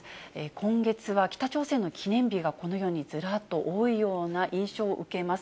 今月は北朝鮮の記念日が、このようにずらっと多いような印象を受けます。